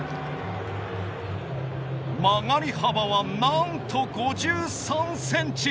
曲がり幅はなんと５３ｃｍ。